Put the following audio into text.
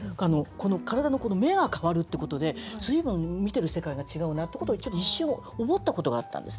体の目が変わるってことで随分見てる世界が違うなってことを一瞬思ったことがあったんですね。